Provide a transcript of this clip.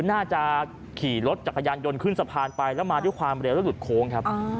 น่าจะขี่รถจักรยานยนต์ขึ้นสะพานไปแล้วมาด้วยความเร็วแล้วหลุดโค้งครับ